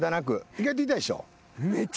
意外と痛いでしょ。